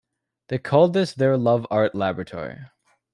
They called this their Love Art Laboratory.